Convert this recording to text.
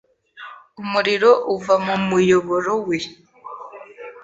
umuriro uva mu muyoboro we.